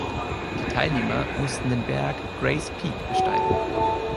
Die Teilnehmer mussten den Berg Grays Peak besteigen.